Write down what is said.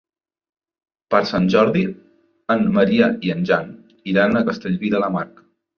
Per Sant Jordi en Maria i en Jan iran a Castellví de la Marca.